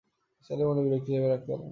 নিসার আলি মনে বিরক্তি চেপে রাখতে পারলেন না।